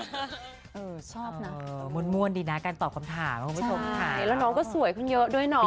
เออชอบนะมวลมวลดีนะการตอบคำถามใช่แล้วน้องก็สวยขึ้นเยอะด้วยน้อง